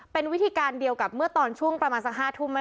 เป็นวิธีการเดียวกับเมื่อตอนช่วงประมาณสัก๕ทุ่ม